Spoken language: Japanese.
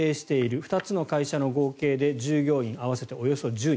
２つの会社の合計で従業員合わせておよそ１０人。